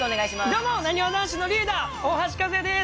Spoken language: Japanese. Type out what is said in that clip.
どうもなにわ男子のリーダー大橋和也です